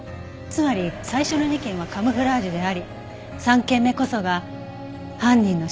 つまり最初の２件はカムフラージュであり３件目こそが犯人の真の目的だったんです。